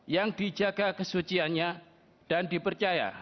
yang dijaga kesuciannya dan dipercaya